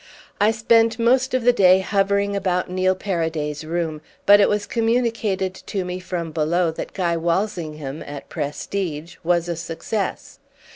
I spent most of the day hovering about Neil Paraday's room, but it was communicated to me from below that Guy Walsingham, at Prestidge, was a success.